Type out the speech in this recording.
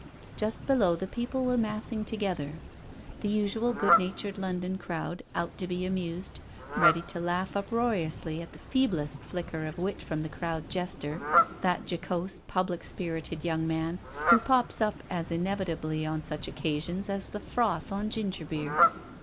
Just below the people were massing together; the usual good natured London crowd, out to be amused, ready to laugh uproariously at the feeblest flicker of wit from the crowd jester, that jocose, public spirited, young man who pops up as inevitably on such occasions as the froth on gingerbeer.